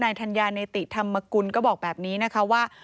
ในทัญญาณิติธรรมกุลก็บอกแบบนี้ว่า